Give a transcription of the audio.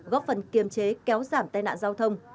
góp phần kiềm chế kéo giảm tai nạn giao thông